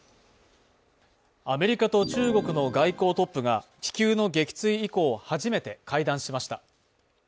アメリカと中国の外交トップが気球の撃墜以降初めて会談しました。